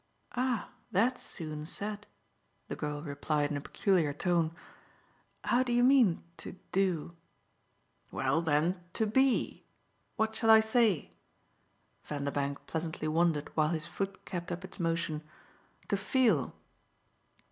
"Ah that's soon said!" the girl replied in a peculiar tone. "How do you mean, to 'do'?" "Well then to BE. What shall I say?" Vanderbank pleasantly wondered while his foot kept up its motion. "To feel."